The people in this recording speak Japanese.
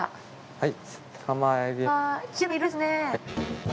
はい。